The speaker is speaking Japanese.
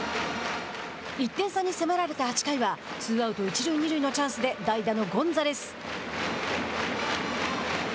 １点差に迫られた８回はツーアウト、一塁二塁のチャンスで、代打のゴンザレス。